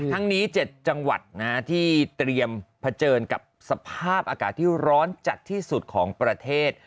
ทั้งนี้๗จังหวัดที่เตรียมเผชิญกับสภาพอากาศที่ร้อนจัดที่สุดของประเทศ